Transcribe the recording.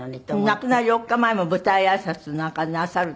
亡くなる４日前も舞台挨拶なんかなさるとかいってね。